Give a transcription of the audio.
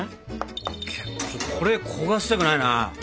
これ焦がしたくないな。